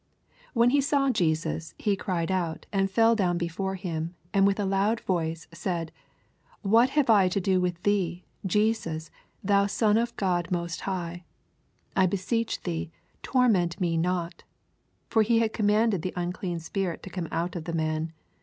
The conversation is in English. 28 Whenhe saw Jesas, he cried out, and fell down before him, and with a load voice said, What have I to do with thee, Jesas, thou Sou of God most high 9 1 beseech thee, torment me not. 29 (For he had commanded the an dean spirit to come oat of the man.